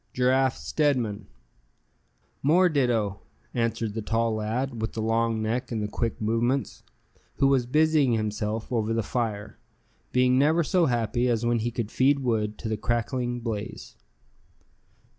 "Giraffe Stedman." "More ditto," answered the tall lad, with the long neck, and the quick movements, who was busying himself over the fire, being never so happy as when he could feed wood to the crackling blaze.